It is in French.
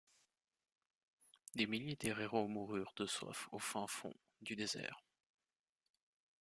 Des milliers d'Héréros moururent de soif au fin fond du désert.